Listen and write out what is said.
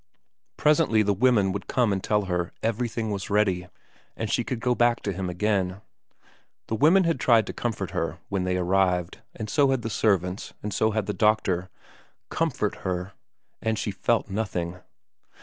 Presently the women would come and tell her everything was ready, and she could go back to him again. The women had tried to comfort her when they arrived ; and so had the servants, and so had the doctor. Comfort her! And she felt nothing.